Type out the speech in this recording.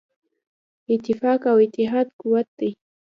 اتفاق او اتحاد قوت دی.